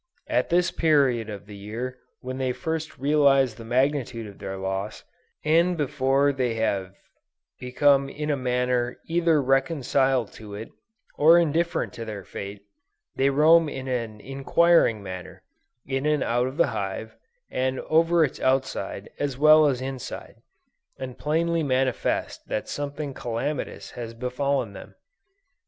At this period of the year when they first realize the magnitude of their loss, and before they have become in a manner either reconciled to it, or indifferent to their fate, they roam in an inquiring manner, in and out of the hive, and over its outside as well as inside, and plainly manifest that something calamitous has befallen them.